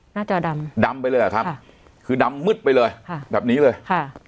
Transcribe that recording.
จอดำดำไปเลยเหรอครับค่ะคือดำมืดไปเลยค่ะแบบนี้เลยค่ะ